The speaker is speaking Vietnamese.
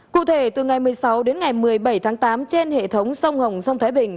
cụ thể từ ngày một mươi sáu đến ngày một mươi bảy tháng tám trên hệ thống sông hồng sông thái bình